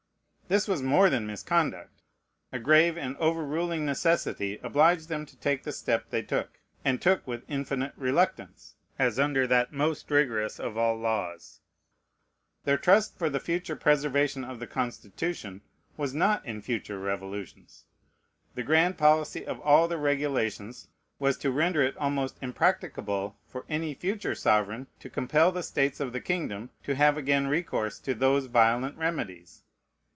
This was more than misconduct. A grave and overruling necessity obliged them to take the step they took, and took with infinite reluctance, as under that most rigorous of all laws. Their trust for the future preservation of the Constitution was not in future revolutions. The grand policy of all their regulations was to render it almost impracticable for any future sovereign to compel the states of the kingdom to have again recourse to those violent remedies.